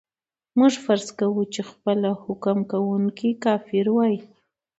موږ فرض کوو چې خپله حکم کوونکی کافر وای.